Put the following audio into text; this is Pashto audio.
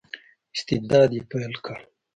استبداد یې پیل کړ.